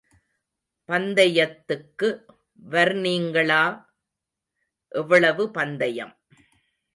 பந்தயத்துக்கு வர்நீங்களா.. எவ்வளவு பந்தயம்.